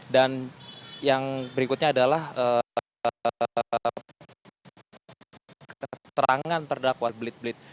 dan yang berikutnya adalah keterangan terdakwa belit belit